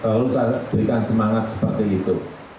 lalu saya berikan semangat seperti itu